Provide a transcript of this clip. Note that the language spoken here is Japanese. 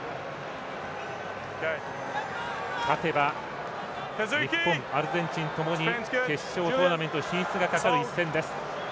勝てば日本、アルゼンチンともに決勝トーナメント進出がかかる一戦です。